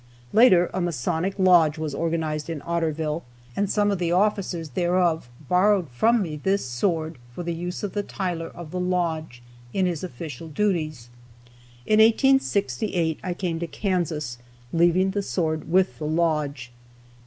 Later a Masonic lodge was organized in Otterville, and some of the officers thereof borrowed from me this sword for the use of the tyler of the lodge, in his official duties. In 1868 I came to Kansas, leaving the sword with the lodge.